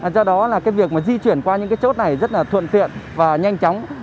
do đó việc di chuyển qua những chốt này rất thuận tiện và nhanh chóng